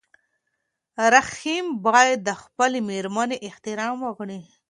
رحیم باید د خپلې مېرمنې احترام وکړي.